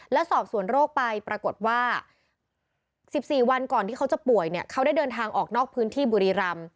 และสอบสวนโรคไปปรากฏว่า๑๔วันก่อนที่เขาจะป่วยเนี่ยเขาได้เดินทางออกนอกพื้นที่บุรีรำ